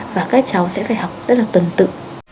và các cháu sẽ phải học rất là tuần tự